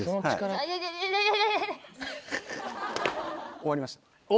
終わりました？